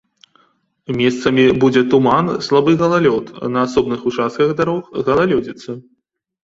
Месцамі будзе туман, слабы галалёд, на асобных участках дарог галалёдзіца.